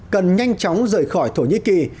cần nhanh chóng rời khỏi thổ nhĩ kỳ